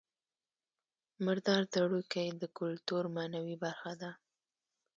مردار ځړوکی د کولتور معنوي برخه ده